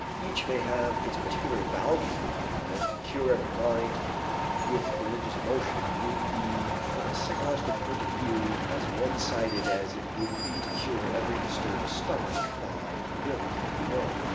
Each may have its particular value and to cure every mind with religious emotion would be from a psychological point of view as one sided as it would be to cure every disturbed stomach by milk alone.